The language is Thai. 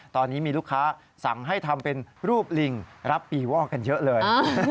ตอนนี้มีลูกค้าสั่งให้ทำเป็นรูปลิงรับปีวอกกันเยอะเลย